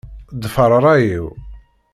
Ḍfeṛ ṛṛay-iw.